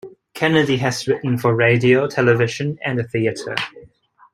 Kennedy has written for radio, television and the theatre.